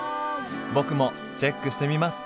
僕もチェックしてみます！